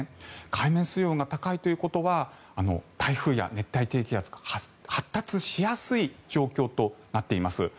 海面水温が高いということは台風や熱帯低気圧が発達しやすい状況となっています。